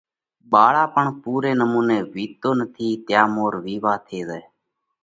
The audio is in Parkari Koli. ٻاۯاپڻ پُورئہ نمُونئہ نٿِي وِيتتو تيا مور وِيوا ٿي زائھ۔